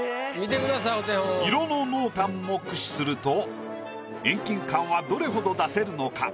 色の濃淡を駆使すると遠近感はどれほど出せるのか？